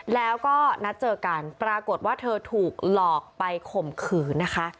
แล้วก็นัดเจอกันปรากฏว่าเธอถูกหลอกไปข่มขืนนะคะ